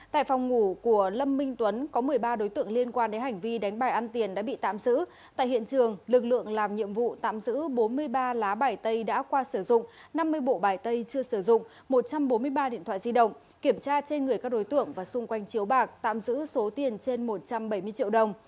tại phòng ngủ của lâm minh tuấn có một mươi ba đối tượng liên quan đến hành vi đánh bài ăn tiền đã bị tạm giữ tại hiện trường lực lượng làm nhiệm vụ tạm giữ bốn mươi ba lá bài tay đã qua sử dụng năm mươi bộ bài tay chưa sử dụng một trăm bốn mươi ba điện thoại di động kiểm tra trên người các đối tượng và xung quanh chiếu bạc tạm giữ số tiền trên một trăm bảy mươi triệu đồng